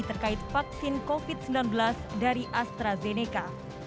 terkait vaksin covid sembilan belas dari astrazeneca